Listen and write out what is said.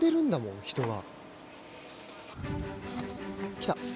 来た。